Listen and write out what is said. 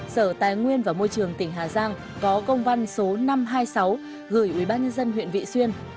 sở tài nguyên và môi trường tỉnh hà giang có công văn số năm trăm hai mươi sáu gửi ubnd huyện vị xuyên